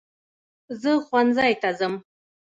زه ښوونځی ته ځم